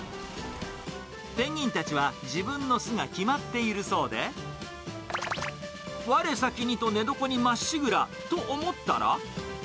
ペンギンたちは自分の巣が決まっているそうで、われさきにと寝床にまっしぐらと思ったら。